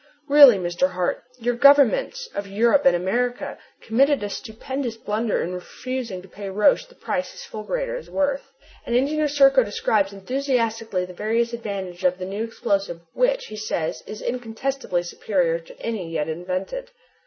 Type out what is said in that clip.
Really, Mr. Hart, your governments of Europe and America committed a stupendous blunder in refusing to pay Roch the price his fulgurator is worth!" And Engineer Serko describes enthusiastically the various advantages of the new explosive which, he says, is incontestably superior to any yet invented.